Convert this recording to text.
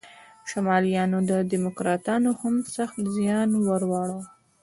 شمالیانو او دیموکراتانو هم سخت زیان ور واړاوه.